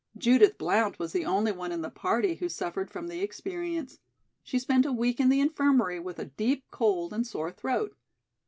Judith Blount was the only one in the party who suffered from the experience. She spent a week in the Infirmary with a deep cold and sore throat.